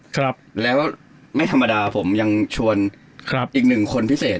ครับแล้วไม่ธรรมดาผมยังชวนครับอีกหนึ่งคนพิเศษ